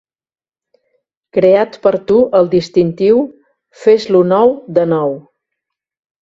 Creat per a tu el distintiu "Fes-lo nou de nou".